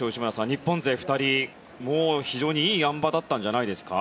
日本勢２人非常にいいあん馬だったんじゃないですか。